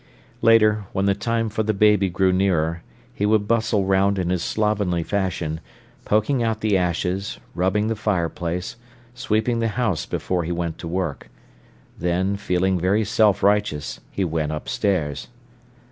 Later, when the time for the baby grew nearer, he would bustle round in his slovenly fashion, poking out the ashes, rubbing the fireplace, sweeping the house before he went to work. Then, feeling very self righteous, he went upstairs.